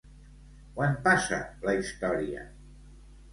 Quan passa la història?